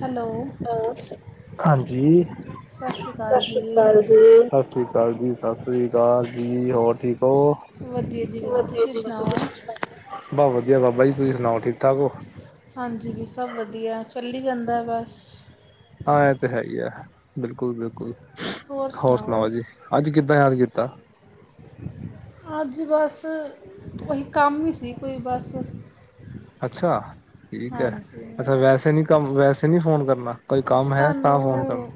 Hello. ਹਾਂਜੀ, ਸ਼੍ਰੀ ਸਤਿ ਅਕਾਲ ਸ੍ਰੀ ਜੀ ਅਕਾਲ। ਸਤਿ ਸ੍ਰੀ ਅਕਾਲ ਜੀ, ਸਤਿ ਸ੍ਰੀ ਅਕਾਲ ਜੀ ਹੋਰ ਠੀਕ ਹੋ? ਵਧੀਆ ਜੀ ਵਧੀਆ ਤੁਸੀਂ ਸੁਣਾਓ ਬਸ ਵਧੀਆ ਬਾਬਾ ਜੀ ਤੁਸੀਂ ਸੁਣਾਓ ਠੀਕ ਠਾਕ ਹੋ। ਹਾਂਜੀ ਜੀ ਸਭ ਵਧੀਆ, ਚੱਲੀ ਜਾਂਦਾ ਬਸ। ਹਾਂ ਇਹ ਤੇ ਹੈ ਹੀ ਹੈ, ਬਿਲਕੁਲ- ਬਿਲਕੁਲ ਹੋਰ ਸੁਣਾਓ ਜੀ। ਅੱਜ ਕਿੱਦਾਂ ਯਾਦ ਕੀਤਾ। ਅੱਜ ਬਸ, ਕੋਈ ਕੰਮ ਹੀਂ ਸੀ ਕੋਈ ਬਸ। ਅੱਛਾ, ਠੀਕ ਹੈ, ਹਾਂਜੀ ਅੱਛਾ ਵੈਸੇ ਨਹੀਂ ਕੰਮ ਵੈਸੇ ਨਹੀਂ ਫ਼ੋਨ ਕਰਨਾ। ਕੋਈ ਜੀ ਕੰਮ ਹੈ ਤਾਂ ਫੋਨ ਕਰਨਾ ਤੁਹਾਨੂੰ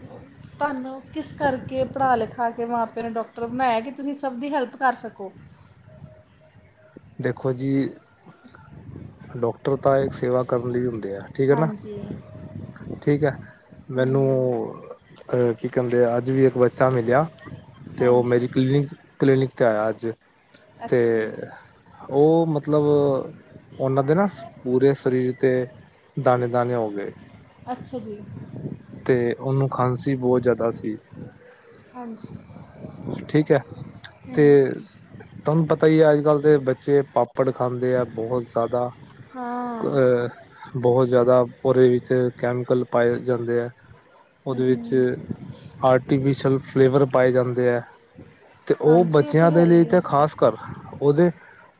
ਤੁਹਾਨੂੰ ਕਿਸ ਕਰਕੇ ਪੜ੍ਹਾ-ਲਿਖਾ ਕੇ ਮਾਂ ਪਿਓ ਨੇ ਡਾਕਟਰ ਬਣਾਇਆ ਕਿ ਤੁਸੀਂ ਸਭ ਦੀ ਹੈਲਪ ਕਰ ਸਕੋ। ਦੇਖੋ ਜੀ ਡਾਕਟਰ ਤਾਂ ਇਕ ਸੇਵਾ ਕਰਨ ਲਈ ਹੁੰ ਦਿਆ, ਠੀਕ ਹੈ ਨਾ ਹਾਂਜੀ ਠੀਕ ਹੈ। ਹੂੰ ਮੈਨੂੰ ਕੀ ਕਹਿੰਦੇ ਆ ਅੱਜ ਵੀ ਇੱਕ ਬੱਚਾ ਮਿਲਿਆ ਤੇ ਓਹ ਹਾਂਜੀ ਮੇਰੀ ਕਲੀਨਿਕ ਕਲੀਨਿਕ 'ਤੇ ਆਇਆ ਅੱਜ, ਤੇ ਅੱਛਾ ਜੀ ਓਹ ਮਤਲਬ ਉਹਨਾ ਦੇ ਨ, ਪੂਰੇ ਸਰੀਰ ਤੇ ਦਾਣੇ-ਦਾਣੇ ਹੋ ਗਏ। ਅੱਛਾ ਜੀ। ਤੇ ਔਨੂੰ, ਖਾਂਸੀ ਬਹੁਤ ਜਿਹਦਾ ਸੀ। ਹਾਂਜੀ। ਠੀਕ ਹੈ ਤੇ ਹੂੰ ਤੁਹਾਨੂੰ ਪਤਾ ਹੀ ਐ, ਅੱਜ-ਕੱਲ੍ਹ ਦੇ ਬੱਚੇ ਪਾਪੜ ਖਾਂਦੇ ਆ ਬਹੌਤ ਜੈਦਾ। ਹਾਂ ਅਹ, ਬਹੁਤ ਜ਼ਿਆਦਾ ਉਹਦੇ ਵਿੱਚ ਕੈਮੀਕਲ, ਪਾਏ ਜਾਂਦੇ ਹੈ। ਹੂੰ ਉਹਦੇ ਹੂੰ ਵਿੱਚ, ਆਰਟੀਫਿਸ਼ਲ ਫਲੇਵਰ, ਪਾਏ ਜਾਂਦੇ ਆ ਤੇ ਉਹ, ਹਾਂਜੀ ਇਹ ਤਾਂ ਬੱਚਿਆਂ ਦੇ ਹੈ ਲਈ ਹੀ ਹੈ ਤਾਂ ਖ਼ਾਸ ਘਰ, ਉਹਦੇ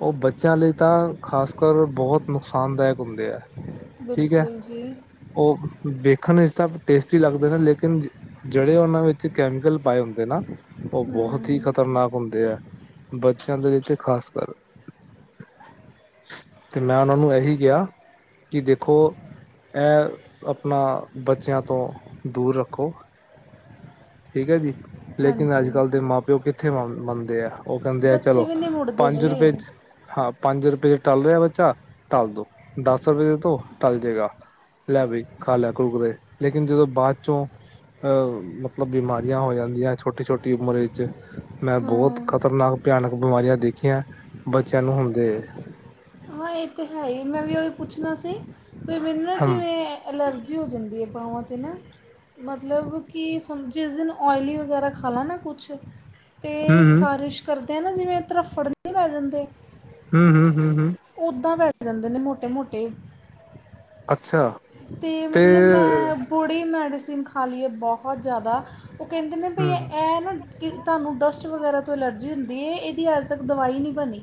ਉਹ ਬੱਚਿਆਂ ਲਈ ਤਾਂ, ਖ਼ਾਸ ਕਰ ਬਹੁਤ ਨੁਕਸਾਨਦਾਇਕ ਹੁੰਦੇ ਹੈ। ਠੀਕ ਬਿਲਕੁਲ ਜੀ। ਉਹ ਵੇਖਣ ਵਿਚ ਤਾਂ, ਟੇਸਟੀ ਲੱਗਦਾ ਨੇ ਲੇਕਿਨ ਜਿਹੜੇ ਉਹਨਾਂ ਵਿੱਚ, ਕੈਮੀਕਲ ਪਾਏ ਹੁੰਦੇ ਨਾ ਉਹ ਬਹੁਤ ਹੀ, ਹੂੰ ਖ਼ਤਰਨਾਕ ਹੁੰਦੇ ਆ, ਬੱਚਿਆਂ ਦੇ ਲਈ ਤੇ ਖ਼ਾਸ ਕਰ ਤੇ ਮੈਂ ਉਹਨਾਂ ਨੂੰ, ਇਹੀ ਕਿਹਾ ਕਿ ਦੇਖੋ ਇਹ ਆਪਣਾ, ਬੱਚਿਆਂ ਤੋਂ ਦੂਰ ਰੱਖੋ। ਠੀਕ ਹੈ, ਜੀ ਲੇਕਿਨ ਹਾਂਜੀ ਅੱਜ -ਕੱਲ੍ਹ ਦੇ ਮਾਂ ਪਿਓ ਕਿੱਥੇ ਮੰਨਦੇ ਆ। ਉਹ ਕਹਿੰਦੇ, ਆ ਬੱਚੇ ਚਲੋ ਵੀ ਨਹੀਂ ਮੁੜਦੇ ਪੰਜ ਜੀ ਰੁਪਏ ਹਾਂ ਪੰਜ ਰੁਪਏ, ਟਲ ਰਿਹਾ ਬੱਚਾ ਟਾਲ ਦੋ ਦਸ ਰੁਪਏ ਦੇ ਦੋ ਟਲ ਜਾਏਗਾ। ਲੈ ਬਈ, ਖਾ ਲੈ ਕੁੁਰਕਰੇ, ਲੇਕਿਨ ਜਦੋਂ ਬਾਅਦ ਚੋਂ ਅਹ ਮਤਲਬ, ਬਿਮਾਰੀਆਂ ਹੋ ਜਾਂਦੀਆਂ, ਛੋਟੀ- ਛੋਟੀ ਉਮਰ ਵਿੱਚ। ਮੈਂ ਬਹੁਤ, ਹਾਂ ਖ਼ਤਰਨਾਕ ਭਿਆਨਕ ਬਿਮਾਰੀਆਂ, ਦੇਖੀਆਂ ਬੱਚਿਆਂ ਨੂੰ ਹੁੰਦੇ। ਹਾਂ ਇਹ ਤਾਂ ਹੈ ਹੀ, ਮੈਂ ਵੀ ਉਹੀ ਪੁੱਛਣਾ ਸੀ ਵੀ ਮੈਨੂੰ ਨਾ ਹਮ ਜਿਵੇਂ? ਐਲਰਜੀ, ਹੋ ਜਾਂਦੀ ਹੈ ਬਾਹਵਾਂ 'ਤੇ ਨਾ ਮਤਲਬ ਕਿ, ਜਿਸ ਦਿਨ ਓਇਲੀ ਵਗੈਰਾ ਖਾਵਾ ਨਾ ਕੁਝ ਅਤੇ ਹਮ ਖ਼ਾਰਿਸ਼ ਕਰਦੇ ਆ ਨਾ ਜਿਵੇਂ, ਤੱਫੜ ਨਹੀਂ ਪੈ ਜਾਂਦੇ ਹਮ- ਹਮ- ਹਮ- ਹਮ। ਉੱਦਾਂ ਬੈਠ ਜਾਂਦੇ ਨੇ, ਮੋਟੇ- ਮੋਟੇ। ਅੱਛਾ ਤੇ ਮਤਲਬ ਮੈਂ ਥੋੜ੍ਹੀ ਮੈਡੀਸਿਨ, ਖਾ ਲਈਏ ਬਹੁਤ ਜ਼ਿਆਦਾ, ਉਹ ਕਹਿੰਦੇ ਨੇ ਬੀ ਹਮ ਏ ਨਾ ਕਿ ਤੁਹਾਨੂੰ, ਡਸਟ ਵਗੈਰਾ ਤੋਂ ਐਲਰਜੀ ਹੁੰਦੀ ਹੈ, ਇਹਦੀ ਅੱਜ ਤੱਕ ਦਵਾਈ ਨਹੀਂ ਬਣੀ।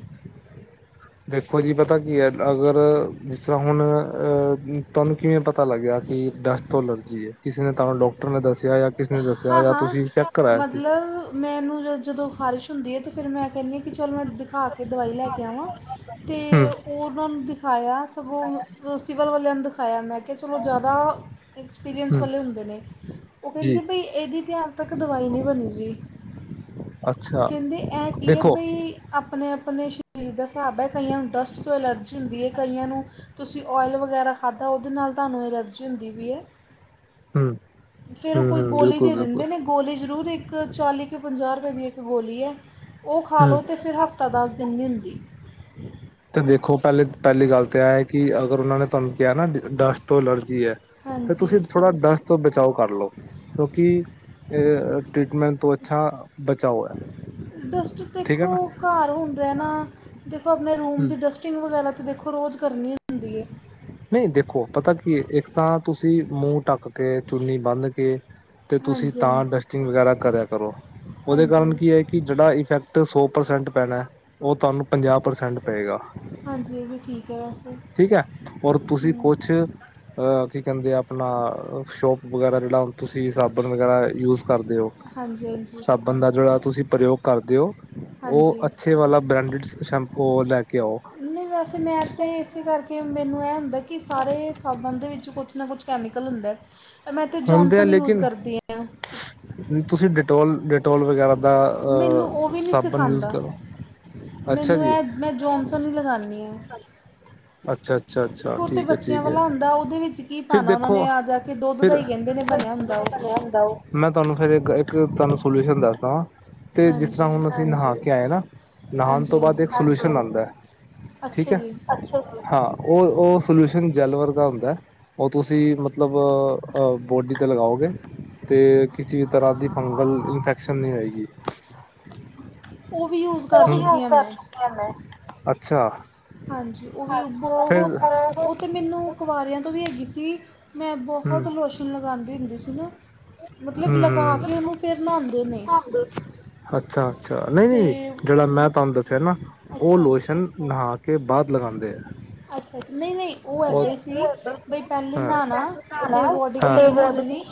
ਦੇਖੋ ਜੀ, ਪਤਾ ਕੀ ਹੈ ਅਗਰ ਜਿਸ ਤਰ੍ਹਾਂ ਹੁਣ, ਅ ਤੁਹਾਨੂੰ ਕਿਵੇਂ ਪਤਾ ਲੱਗਿਆ ਕਿ, ਡਸਟ ਤੋਂ ਅਲਰਜੀ ਹੈ, ਕਿਸੇ ਨੇ ਤੁਹਾਨੂੰ ਡਾਕ ਡਾਕਟਰ ਨੇ ਦੱਸਿਆ, ਜਾਂ ਕਿਸਨੇ ਦੱਸਿਆ, ਹਾਂ ਜਾਂ ਹਾਂ ਤੁਸੀਂ ਚੈੱਕ ਕਰਾਇਆ ਸੀ। ਮਤਲਬ ਮੈਨੂੰ, ਜ ਜਦੋਂ ਖਾਰਿਸ਼ ਹੁੰਦੀ ਹੈ ਤਾਂ, ਫਿਰ ਮੈਂ ਕਹਿੰਦੀ ਹਾਂ ਕਿ ਚੱਲ ਮੈਂ ਦਿਖਾ ਦਵਾਈ ਲੈ ਕੇ ਆਵਾਂ, ਤੇ ਹਮ ਓਹ। ਉਹ ਉਹਨਾਂ ਨੂੰ ਦਿਖਾਇਆ, ਸਗੋਂ ਸਿਵਲ ਵਾਲਿਆਂ ਨੂੰ ਦਿਖਾਇਆ ਮੈਂ ਕਿਹਾ, ਚਲੋ ਜ਼ਿਆਦਾ ਐਕਸਪੀਰੀਅੰਸ ਹਮ ਵਾਲੇ ਹੁੰਦੇ ਨੇ, ਉਹ ਜੀ ਕਹਿੰਦੇ, ਬਈ ਇਹਦੀ ਤਾਂ ਅੱਜ ਤੱਕ ਦਵਾਈ ਨਹੀਂ, ਬਣੀ ਜੀ। ਅੱਛਾ ਕਹਿੰਦੇ, ਐ ਇਹ ਕਿ ਦੇਖੋ ਫ ਆਈ ਆਪਣੇ--ਆਪਣੇ ਸਰੀਰ ਦਾ ਹਿਸਾਬ ਹੈ, ਕਈਆਂ ਨੂੰ ਡਸਟ ਤੋਂ ਐਲਰਜੀ ਹੁੰਦੀ ਹੈ, ਕਈਆਂ ਨੂੰ ਤੁਸੀਂ ਓਇਲ ਵਗੈਰਾ ਖਾਧਾ, ਉਹਦੇ ਨਾਲ ਤੁਹਾਨੂੰ ਐਲਰਜੀ ਹੁੰਦੀ ਵੀ ਹੈ। ਹਮ। ਫੇਰ ਉਹ ਹਮ ਕੋਈ ਹਮ ਗੋਲੀ, ਬਿਲਕੁਲ ਦੇ ਬਿਲਕੁਲ ਦਿੰਦੇ ਨੇ, ਗੋਲੀ ਜ਼ਰੂਰ, ਇੱਕ ਚਾਲੀ ਕੁ ਪੰਜਾਹ ਰੁਪਏ ਦੀ ਇੱਕ ਗੋਲੀ ਹੈ, ਉਹ ਖਾ ਹਮ ਲਓ ਅਤੇ ਫਿਰ ਹਫ਼ਤਾ ਦੱਸ ਦਿਨ ਨਹੀਂ ਹੁੰਦੀ। [inaudible] ਤੇ ਦੇਖੋ, ਪਹਿਲੇ ਪਹਿਲੀ ਗੱਲ ਤਾਂ ਇਹ ਹੈ ਕਿ, ਅਗਰ ਉਹਨਾਂ ਨੇ ਤੁਹਾਨੂੰ ਕਿਹਾ, ਨਾ ਡਸਟ ਤੋਂ ਅਲਰਜੀ ਹੈ। ਤੇ ਤੁਸੀਂ ਹਾਂਜੀ ਥੋੜਾ ਡਸਟ ਤੋਂ, ਬਚਾਓ ਕਰ ਲਓ, ਕਿਉਂਕਿ, ਅ ਟ੍ਰੀਟਮੈਂਟ ਤੋਂ ਅੱਛਾ ਬਚਾਓ ਹੈ ਡਸਟ ਠੀਕ ਹੈ ਦੇਖੋ ਨਾ ਘਰ ਹੁਣ ਰਹਿਣਾ, ਦੇਖੋ ਆਪਣੇ ਰੂਮ ਦੀ ਡਸਟਿੰਗ ਵਗੈਰਾ ਤਾਂ ਦੇਖੋ ਰੋਜ਼, ਕਰਨੀ ਹੁੰਦੀ ਹੈ। ਨਹੀਂ ਦੇਖੋ, ਪਤਾ ਕੀ ਇੱਕ ਤਾਂ ਤੁਸੀਂ ਮੂੰਹ ਟੱਕ ਰੱਕ ਕੇ ਚੁੰਨੀ ਬੰਨ ਕੇ ਤੇ ਤੁਸੀਂ ਹਾਂਜੀ ਹਾਂਜੀ ਤਾਂ ਡਸਟਿੰਗ ਵਗੈਰਾ ਕਰਿਆ ਕਰੋ। ਉਹਦੇ ਕਾਰਨ ਹਾਂਜੀ ਕੀ ਹੈ, ਕਿ ਜਿਹੜਾ ਇਫੈਕਟ ਸੌ ਪ੍ਰਸੈਂਟ ਪੈਣਾ ਉਹ ਤੁਹਾਨੂੰ ਪੰਜਾਹ ਪ੍ਰਸੈਂਟ ਪਏਗਾ ਹਾਂਜੀ ਉਹ ਵੀ ਠੀਕ ਹੈ ਵੈਸੇ ਠੀਕ ਹੈ, ਤੁਸੀਂ ਹੂੰ ਕੁਝ ਅ ਕੀ ਕਹਿੰਦੇ ਆ, ਆਪਣਾ ਸ਼ੋਪ ਵਗੈਰਾ ਜਿਹੜਾ ਤੁਸੀਂ ਸਾਬਣ ਵਗੈਰਾ ਯੂਜ ਕਰਦੇ ਹੋ, ਹਾਂਜੀ ਹਾਂਜੀ ਸਾਬਣ ਦਾ ਜਿਹੜਾ ਤੁਸੀਂ ਪ੍ਰਯੋਗ ਕਰਦੇ ਹੋ। ਉਹ ਹਾਂਜੀ ਅੱਛੇ ਵਾਲਾ ਬ੍ਰਾਂਡਡ ਸ਼ੈਂਪੂ ਲੈ ਕੇ ਆਓ। ਨਹੀਂ ਵੈਸੇ ਮੈਂ ਤਾਂ ਇਸੇ ਕਰਕੇ ਮੈਨੂੰ ਇਹ ਹੁੰਦਾ, ਕਿ ਸਾਰੇ ਸਾਬਣ ਦੇ ਵਿੱਚ ਕੁਛ ਨਾ ਕੁਛ। ਕੈਮੀਕਲ ਹੁੰਦਾ। ਮੈਂ ਤਾਂ ਹੁੰਦੇ ਆ ਜੌਨਸਨ ਯੂਜ਼ ਲੇਕਿਨ ਕਰਦੀ ਹਾਂ ਤੁਸੀਂ ਡਿਟੋਲ। ਟੋਲ ਵਗੈਰਾ ਦਾ ਮੈਨੂੰ ਉਹ ਵੀ ਨਹੀਂ ਸਾਬਣ ਯੂਜ ਸਿਖਾਉਂਦਾ ਕਰੋ, ਅੱਛਾ ਮੈਨੂੰ ਜੀ। ਇਹ ਮੈਂ ਜੋੌਨਸਨ ਹੀ ਲਗਾਨੀ ਆ। ਅੱਛਾ ਅੱਛਾ ਅੱਛਾ ਦੇਖੋ ਤੇ ਠੀਕ ਹੈ ਬੱਚਿਆਂ ਠੀਕ ਹੈ ਵਾਲਾ ਹੁੰਦਾ, ਉਹਦੇ ਵਿੱਚ ਕੀ ਫਿਰ ਪਾਣਾ ਉਹਨਾ ਦੇਖੋ ਨੇ ਆ ਜਾ ਕੇ ਦੁੱਧ। ਦੁੱਧ ਦਾ ਫਿਰ ਹੀ ਕਹਿੰਦੇ ਨੇ, ਬਣਿਆ ਹੁੰਦਾ ਉਹ। ਮੈਂ ਤੁਹਾਨੂੰ ਫੇਰ ਇੱਕ ਤੁਹਾਨੂੰ ਸੋਲਿਊਸ਼ਨ ਦੱਸਦਾ ਵਾਂ। ਤੇ ਜਿਸ ਤਰ੍ਹਾਂ ਹਾਂਜੀ ਹੁਣ ਅਸੀਂ ਨਹਾ ਕੇ ਆਏ ਨਾ, ਨਹਾਉਣ ਤੋਂ ਹਾਂਜੀ ਬਾਅਦ ਇੱਕ ਹਾਂਜੀ ਸੋਲਿਊਸ਼ਨ ਆਦਾ। ਅੱਛਾ ਜੀ। ਹਾਂ ਉਹ-ਉਹ ਸੋਲਿਊਸ਼ਨ ਜੈਲ ਵਰਗਾ ਹੁੰਦਾ। ਉਹ ਤੁਸੀਂ ਮਤਲਬ ਬੋਡੀ ਤੇ ਲਗਾਓਗੇ। ਤੇ ਕਿਸੇ ਤਰ੍ਹਾਂ ਦੀ ਫੰਗਲ ਇਨਫੈਕਸ਼ਨ ਨੀ ਹੋਏਗੀ। ਉਹ ਵੀ ਯੂਜ਼ ਕਰ ਚੁੱਕੀ ਹਾਂ ਮੈਂ ਅੱਛਾ। ਹਾਂਜੀ, ਉਹ ਵੀ ਫਿਰ ਬਹੁਤ ਹੂੰ ਉਹ ਤਾਂ ਮੈਨੂੰ ਕੁਵਾਰਿਆਂ ਤੋਂ ਵੀ ਹੈਗੀ ਸੀ। ਮੈਂ ਬਹੁਤ ਹੂੰ ਲੋਸ਼ਨ ਲਗਾਦੀ ਹੁੰਦੀ ਸੀ ਨਾ। ਮਤਲਬ ਲਗਾ ਕੇ, ਉਹਨੂੰ ਫੇਰ ਨਹਾਦੇ ਨੇ। ਅੱਛਾ-ਅੱਛਾ, ਅਤੇ ਨਹੀਂ-ਨਹੀਂ ਜਿਹੜਾ ਮੈਂ ਤੁਹਾਨੂੰ ਦੱਸਿਆ ਨਾ ਉਹ ਅੱਛਾ ਲੋਸ਼। ਨਹਾ ਕੇ ਬਾਅਦ ਲਗਾਦੇ ਐ। ਅੱਛਾ-ਅੱਛਾ, ਨਹੀਂ-ਨਹੀਂ। ਔ [unintelligible] ਹਾਂ ਨਹਾਉਣਾ [unintelligible] ਹਾਂ। ਫਿਰ ਉਸ ਤੋਂ ਅਤੇ ਬਾਅਦ ਬੋਡੀ ਕਲੀਨ ਹੋ ਜਾਣੀ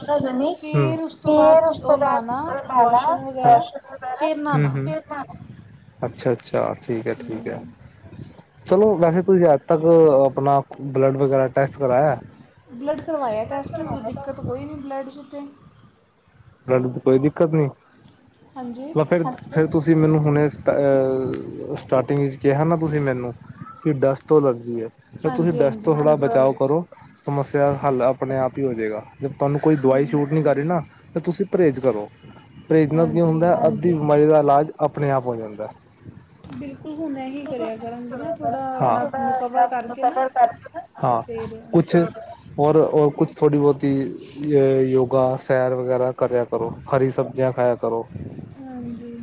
ਫਿਰ ਉਸ ਤੋਂ ਬਾਅਦ ਉਹ ਲਾਉਣਾ ਫਿਰ ਮਾ ਲੋਸ਼ਨ ਵਗੈਰਾ ਦਰਸ਼ਨ ਵਗੈਰਾ ਫਿਰ ਨਹਾਉਣਾ [unintelligible] ਅੱਛਾ-ਅੱਛਾ, ਠੀਕ ਹੈ ਠੀਕ ਹੈ। ਚਲੋ ਵੈਸੇ ਤੁਸੀ ਅੱਜ-ਤੱਕ ਆਪਣਾ ਬਲੱਡ ਵਗੈਰਾ ਟੈਸਟ ਕਰਾਇਆ। ਬਲੱਡ ਕਰਵਾਇਆ, ਟੈਸਟ ਦਿੱਕਤ ਕੋਈ ਨਹੀਂ ਬਲੱਡ ਚ ਤੇ। ਲੜਨ 'ਚ ਕੋਈ ਦਿੱਕਤ ਨੀ ਹਾਂਜੀ ਲ ਫਿਰ ਏ ਤੁਸੀਂ ਮੈਨੂੰ ਹੁਣੇ ਸਟਾਰਟਿੰਗ ਵਿੱਚ ਕਿਹਾ ਨਾ ਤੁਸੀਂ ਮੈਨੂੰ ਕਿ ਡਸਟ ਤੋਂ ਲੱਗੀ ਐ, ਫੇਰ ਤੁਸੀਂ ਹਾਂਜੀ ਡਸਟ ਤੋਂ ਹਾਂਜੀ ਥੋੜ੍ਹਾ ਬਚਾਓ ਕਰੋ, ਸਮੱਸਿਆ ਹੱਲ ਆਪਣੇ ਆਪ ਹੀ ਹੋ ਜਾਏਗਾ ਜੇ ਤਾਨੂੰ ਕੋਈ ਦਵਾਈ ਸ਼ੂਟ ਨੀ ਕਰੀ ਨਾ, ਤਾਂ ਤੁਸੀਂ ਪਰਏਜ਼ ਕਰੋ ਪ੍ਰੇਜਨਾ ਕੀ ਹੁੰਦਾ ਹਾਂਜੀ ਹੈ, ਅੱਧੀ ਬਿਮਾਰੀ ਦਾ ਇਲਾਜ ਆਪਣੇ ਆਪ ਹੋ ਜਾਂਦਾ ਬਿਲਕੁਲ ਹੁਣ ਇਹੀ ਕਰਿਆ ਕਰਾਂਗੀ ਨਾ ਥੋੜ੍ਹਾ [unintelligible] ਆਪਣਾ ਆਪ ਨੂੰ ਕਵਰ ਕਰਕੇ ਨਾ ਅਤੇ ਹਾਂ ਫਿਰ ਕੁਛ ਔਰ ਕੁਛ ਥੋੜੀ ਬੋਤੀ ਯੋਗਾ ਸੈਰ ਵਗੈਰਾ ਕਰਿਆ ਕਰੋ, ਹਰੀ ਸਬਜ਼ੀਆਂ ਖਾਇਆ ਕਰੋ ਹਾਂਜੀ,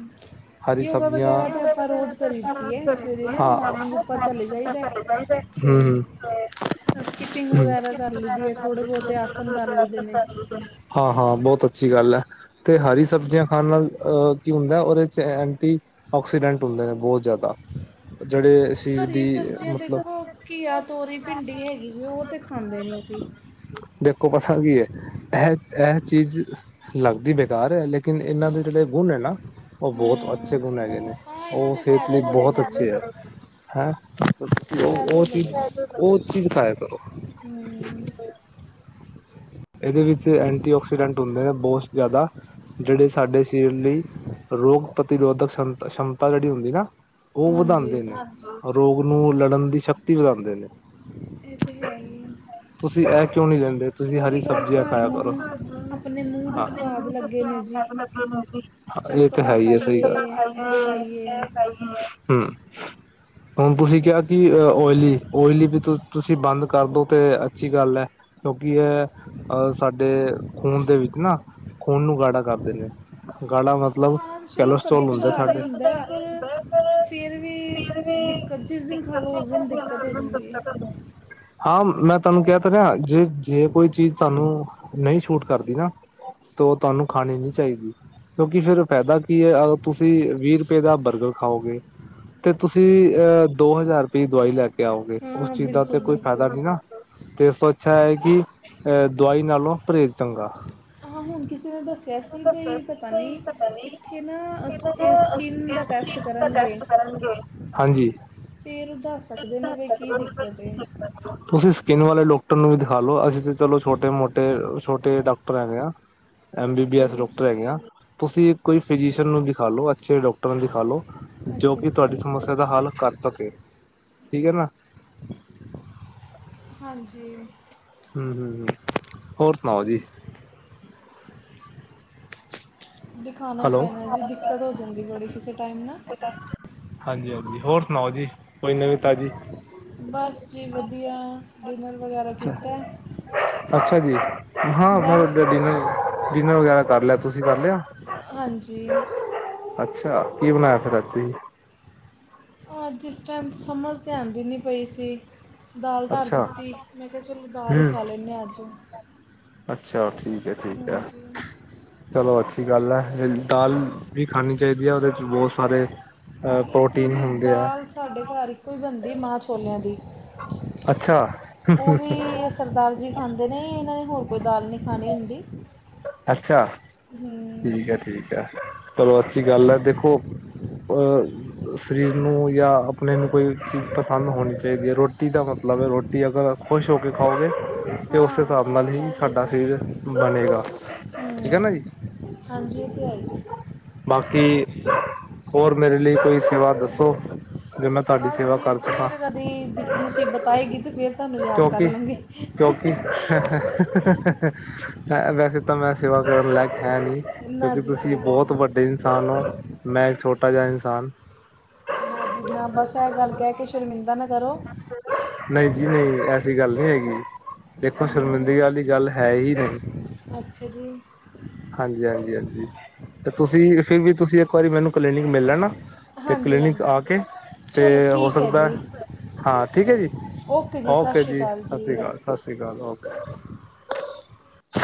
ਯੋਗਾ ਵਗੈਰਾ ਤਾਂ ਆਪਾਂ ਰੋਜ਼ ਕਰੀ ਦੀਏ ਸਵੇਰੇ ਨਾ ਮੋਰਨਿੰਗ ਉੱਪਰ ਚਲੇ ਜਾਈਦਾ ਅਤੇ ਹੂੰ-ਹੂੰ। ਸਕਿਪਿੰਗ ਵਗੈਰਾ ਕਰ ਲਈਦੀ ਹੈ ਥੋੜ੍ਹੇ ਬਹੁਤੇ ਆਸਨ ਕਰ ਲਈਦੇ ਨੇ ਹਾਂ-ਹਾਂ, ਬਹੁਤ ਅੱਛੀ ਗੱਲ ਹੈ। ਤੇ ਹਰੀ ਸਬਜ਼ੀਆਂ ਖਾਣ ਨਾਲ ਅਹ ਕੀ ਹੁੰਦਾ, ਉਹਦੇ ਚ ਐਂਟੀ। ਆਕਸੀਡੈਂਟ ਹੁੰਦੇ ਨੇ, ਬਹੁਤ ਜ਼ਿਆਦਾ ਜਿਹੜੇ ਸਰੀਰ ਹਰੀਆਂ ਦੀ ਸਬਜ਼ੀਆਂ ਮਤਲਬ। ਦੇਖੋ ਘੀਆ, ਤੋਰੀ, ਭਿੰਡੀ, ਹੈਗੀ ਉਹ ਤਾਂ ਖਾਂਦੇ ਨਹੀਂ ਅਸੀਂ। ਦੇਖੋ ਪਤਾ ਕੀ ਹੈ। ਇਹ ਇਹ ਚੀਜ਼ ਲੱਗਦੀ ਬੇਕਾਰ ਹੈ, ਲੇਕਿਨ ਇਹਨਾਂ ਦੇ ਜਿਹੜੇ ਗੁਣ ਹੈ ਨਾ। ਉਹ ਬਹੁਤ ਹਾਂ ਅੱਛੇ ਗੁਣ ਹੈਗੇ ਨੇ, ਹਾਂ ਇਹਨਾਂ ਉਹ ਦੇ ਸਿਹਤ ਲਈ ਫਾਇਦੇ ਬੜੇ ਬਹੁਤ ਨੇ ਜੀ ਅੱਛੇ ਆ। ਹੈਂ, ਤੁਸੀਂ ਉਹ ਉਹ ਫਾਇਦੇ ਬੜੇ ਨੇ ਚੀਜ਼ ਉਹ ਚੀਜ਼ ਖਾਇਆ ਕਰੋ। ਹਮ, ਇਹਦੇ ਵਿੱਚ ਐਂਟੀ ਆਕਸੀਡੈਂਟ ਹੁੰਦੇ ਨੇ ਬਹੁਤ ਜ਼ਿਆਦਾ। ਜਿਹੜੇ ਸਾਡੇ ਸਰੀਰ ਲਈ, ਰੋਗ ਪ੍ਰਤੀਰੋਧਕ ਕਸ਼ਮਤਾ ਜਿਹੜੀ ਹੁੰਦੀ ਨਾ ਉਹ ਹਾਂਜੀ ਵਧਾਉਂਦੇ ਨੇ, ਰੋਗ ਨੂੰ ਲੜਨ ਦੀ ਸ਼ਕਤੀ ਵਧਾਉਂਦੇ ਨੇ। ਇਹ ਤਾਂ ਹੈ ਹੀ ਹੈ ਤੁਸੀਂ ਇਹ ਕਿਉਂ ਨਹੀਂ ਲੈਂਦੇ ਪਰ ਤੁਸੀਂ ਹਰੀ ਉਹੀ ਗੱਲ ਚੀਜਾਂ ਖਾਇਆ ਕਰੋ। ਸਾਨੂੰ ਆਪਣੇ ਮੂੰਹ ਦੇ ਹਾਂ ਸਵਾਦ ਲੱਗੇ ਨੇ ਜੀ ਇਹ ਤਾਂ ਚਟਪਟਾ ਹੈ ਸਹੀ ਖਾਈਏ ਗੱਲ ਇਹ ਖਾਈਏ ਏ। ਹੂੰ [unintelligible] ਹੁਣ ਤੁਸੀਂ ਕਿਹਾ ਕਿ ਓਇਲੀ ਓਇਲੀ ਵੀ ਤੁਸੀਂ ਬੰਦ ਕਰਦੋ ਤੇ ਅੱਛੀ ਗੱਲ ਏ। ਕਿਉਂਕਿ ਇਹ ਅ ਸਾਡੇ ਖੂਨ ਦੇ ਵਿੱਚ ਨਾ, ਖੂਨ ਨੂੰ ਗਾੜਾ ਕਰਦੇ ਨੇ। ਗਾੜਾ ਮਤਲਬ ਖਾਣਾ ਤਾਂ ਚਲੋ ਕੈਲਸਟ੍ਰੋਲ ਕਦੇ ਹੁੰਦੇ ਕਦਾਰ ਹੀ ਸਾਡੇ ਹੁੰਦਾ ਹੈ, ਪਰ ਫਿਰ ਵੀ ਫਿਰ ਵੀ, ਦਿੱਕਤ ਜਿਸ ਦਿਨ ਖਾ ਦਿੱਕਤ ਲਓ ਉਸ ਦਿਨ ਦਿੱਕਤ ਹੋ ਜਾਂਦੀ ਹੈ [unintelligible] ਹਾਂ ਮੈਂ ਤੁਹਾਨੂੰ ਕਹਿ ਤਾ ਰਿਹਾ ਜੇ ਜੇ ਕੋਈ ਚੀਜ਼ ਤੁਹਾਨੂੰ ਨਹੀਂ ਛੂਟ ਕਰਦੀ ਨਾ, ਤੇ ਉਹ ਤੁਹਾਨੂੰ ਖਾਣੀ ਨੀ ਚਾਹੀਦੀ। ਕਿਉਂਕਿ ਫੇਰ ਫਾਇਦਾ ਕੀ ਹੈ ਅ ਤੁਸੀਂ ਵੀਹ ਰੁਪਏ ਦਾ ਬਰਗਰ ਖਾਓਗੇ। ਤੇ ਤੁਸੀਂ ਅ ਦੋ ਹਜ਼ਾਰ ਰੁਪਏ ਦਵਾਈ ਲੈ ਕੇ ਆਓਗੇ, ਉਸ ਹਾਂ ਚੀਜ਼ ਦਾ ਤੇ ਬਿਲਕੁਲ ਕੋਈ ਫਾਇਦਾ ਬਿਲਕੁਲ ਨੀ ਨਾ। ਤੇ ਇਸ ਤੋਂ ਅੱਛਾ ਹੈ ਕਿ ਅਹ ਦਵਾਈ ਨਾਲੋਂ ਪਰਹੇਜ਼ ਚੰਗਾ। ਹਾ ਹੁਣ ਕਿਸੇ ਨੇ ਦੱਸਿਆ ਸੀ ਬਈ ਪਤਾ ਨੀਂ, ਕਿੱਥੇ ਨਾ ਅਸੀ ਇਹ ਸਕਿੰਨ ਦਾ ਟੈਸਟ ਕਰਨਗੇ। ਹਾਂਜੀ ਫੇਰ ਉਹ ਦੱਸ ਸਕਦੇ ਨੇ ਬਈ ਕੀ ਦਿੱਕਤ ਏ। ਤੁਸੀਂ ਸਕਿੰਨ ਵਾਲੇ ਡਾਕਟਰ ਨੂੰ ਵੀ ਦਿਖਾਲੋ ਅਸੀਂ ਤੇ ਚਲੋ ਛੋਟੇ-ਮੋਟੇ ਛੋਟੇ ਡਾਕਟਰ ਹੈਗੇ ਆ, ਐਮ ਬੀ ਬੀ ਅੱਛਾ ਐਸ ਜੀ ਡਾਕਟਰ ਹੈਗੇ ਆ। ਤੁਸੀਂ ਕੋਈ ਫਿਜੀਸ਼ੀਅਨ ਨੂੰ ਦਿਖਾ ਲੋ ਅੱਛੇ ਡਾਕਟਰ ਨੂੰ ਦਿਖਾ ਲੋ, ਜੋ ਅੱਛਾ ਕਿ ਅੱਛਾ ਤੁਹਾਡੀ ਸਮੱਸਿਆ ਦਾ ਹੱਲ ਕਰ ਸਕੇ, ਠੀਕ ਐ ਨਾ। ਹਾਂਜੀ ਹੂੰ-ਹੂੰ ਹੋਰ ਸੁਣਾਓ ਜੀ? ਦਿਖਾਣਾ ਈ ਹੈਲੋ ਪੈਣਾ ਜੀ ਦਿੱਕਤ ਹੋ ਜਾਂਦੀ ਬੜੀ ਕਿਸੇ ਟਾਈਮ ਨਾ ਹਾਂਜੀ-ਹਾਂਜੀ ਹੋਰ ਸੁਣਾਓ ਜੀ ਕੋਈ ਨਵੀਂ ਤਾਜ਼ੀ? ਬਸ ਜੀ ਵਧੀਆ। ਈ ਮੇਲ ਵਗੈਰਾ ਕੀਤਾ ਹੈ। ਅੱਛਾ ਜੀ, ਹਾਂ ਬਸ ਡਿਨਰ ਡਿਨਰ ਵਗੈਰਾ ਕਰ ਲਿਆ, ਤੁਸੀਂ ਕਰ ਲਿਆ? ਹਾਂਜੀ। ਅੱਛਾ, ਕੀ ਬਣਾਇਆ ਫਿਰ ਅੱਜ ਤੁਸੀ? ਅੱਜ ਇਸ ਟਾਈਮ ਸਮਝ ਤੇ ਆਂਦੀ ਨੀ ਪਈ ਸੀ। ਦਾਲ ਧਰ ਅੱਛਾ, ਦਿੱਤੀ, ਮੈਂ ਕਿਹਾ ਚਲੋ ਦਾਲ ਹੀ ਹੂੰ, ਖਾ ਲੈਂਦੇ ਹਾਂ ਅੱਜ। ਅੱਛਾ ਠੀਕ ਏ ਠੀਕ ਏ। ਹਾਂਜੀ ਚਲੋ ਅੱਛੀ ਗੱਲ ਐ, ਦਾਲ ਵੀ ਖਾਣੀ ਚਾਹੀਦੀ ਐ ਉਹਦੇ ਚ ਬਹੁਤ ਸਾਰੇ ਅ ਬਿਲਕੁਲ ਪ੍ਰੋਟੀਨ ਜੀ ਹੁੰਦੇ ਐ। ਦਾਲ ਸਾਡੇ ਘਰ ਇੱਕੋ ਹੀ ਬਣਦੀ ਏ ਮਾਂਹ ਛੋਲਿਆਂ ਦੀ, ਅੱਛਾ-ਅੱਛਾ ਉਹ ਵੀ ਸਰਦਾਰ ਜੀ ਖਾਂਦੇ ਨੇ ਇਹਨਾਂ ਨੇ ਹੋਰ ਕੋਈ ਦਾਲ ਨੀ ਖਾਣੀ ਹੁੰਦੀ। ਅੱਛਾ ਠੀਕ ਆ ਹਮ, ਠੀਕ ਆ ਚਲੋ ਅੱਛੀ ਗੱਲ ਏ ਦੇਖੋ ਅ [unintelligible] ਸਰੀਰ ਨੂੰ ਯਾ ਆਪਣੇ ਨੂੰ ਕੋਈ ਚੀਜ਼ ਪਸੰਦ ਹੋਣੀ ਚਾਹੀਦੀ ਏ ਰੋਟੀ ਦਾ ਮਤਲਬ ਹੈ ਰੋਟੀ ਅਗਰ ਖੁਸ਼ ਹੋ ਕੇ ਖਾਓਗੇ, ਤਾਂ ਉਸ ਹਾਂ ਹਿਸਾਬ ਇਹ ਨਾਲ ਈ ਸਾਡਾ ਸਰੀਰ ਬਣੇਗਾ। ਠੀਕ ਹੈ ਨਾ ਹੂੰ, ਜੀ ਹਾਂਜੀ ਇਹ ਤੇ ਹੈ ਈ ਏ। ਬਾਕੀ, ਹੋਰ ਮੇਰੇ ਲਈ ਕੋਈ ਸੇਵਾ ਦੱਸੋ। ਜੋ ਮੈਂ ਤੁਹਾਡੀ ਬਸ ਸੇਵਾ ਜੀ ਕਰ ਸਕਾਂ ਫੇਰ ਕਦੀ ਮੁਸੀਬਤ ਆਏਗੀ ਤਾਂ ਫੇਰ ਤੁਹਾਨੂੰ ਯਾਦ ਕਰ ਕਿਉਂਕਿ ਲਾਂਗੇ। ਕਿਉਂਕਿ ਵੈਸੇ ਤਾਂ ਮੈਂ ਸੇਵਾ ਕਰਨ ਲੈਕ ਹੈ ਨੀ ਨਾ ਕਿਉਂਕਿ ਜੀ ਤੁਸੀਂ ਕੋਈ ਗੱਲ ਬਹੁਤ ਨਹੀਂ। ਵੱਡੇ ਇਨਸਾਨ ਹੋ ਮੈਂ ਇੱਕ ਛੋਟਾ ਜਿਹਾ ਇਨਸਾਨ ਨਾਂ ਜੀ ਨਾਂ ਬਸ ਇਹ ਗੱਲ ਕੀਹ ਕੇ ਸ਼ਰਮਿੰਦਾ ਨਾ ਕਰੋ, ਨਈ ਜੀ ਨਈ ਐਸੀ ਗੱਲ ਨੀ ਹੈਗੀ, ਦੇਖੋ ਹਮ, ਸ਼ਰਮਿੰਦਗੀ ਆਲੀ ਗੱਲ ਹੈ ਹੀ ਨਹੀਂ। ਅੱਛਾ ਜੀ। ਹਾਂਜੀ, ਹਾਂਜੀ, ਹਾਂਜੀ ਤੇ ਤੁਸੀਂ ਫੇਰ ਵੀ ਤੁਸੀਂ ਇੱਕ ਵਾਰੀ ਮੈਨੂੰ ਕਲੀਨਿਕ ਮਿਲ ਲੈਣਾ। ਤੇ ਹਾਂਜੀ ਕਲੀਨਿਕ ਹਾਂਜੀ ਆ ਕੇ, ਤੇ ਚਲੋ ਹੋ ਠੀਕ ਹੈ ਸਕਦਾ, ਜੀ ਹਾਂ ਠੀਕ ਹੈ ਜੀ, ਸਤਿ ਓਕੇ ਸ਼੍ਰੀ ਜੀ ਅਕਾਲ ਸਤਿ ਸ਼੍ਰੀ ਜੀ ਅਕਾਲ, ਸਤਿ ਸ਼੍ਰੀ ਅਕਾਲ ਓਕੇ।